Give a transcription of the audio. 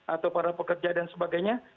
atau para pekerja dan sebagainya